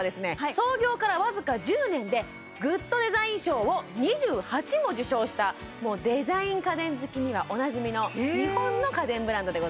創業からわずか１０年でグッドデザイン賞を２８も受賞したデザイン家電好きにはおなじみのすごーい